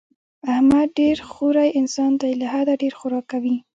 احمد ډېر خوری انسان دی، له حده ډېر خوراک کوي.